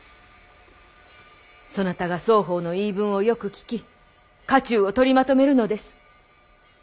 そなたが双方の言い分をよく聞き家中を取りまとめるのです。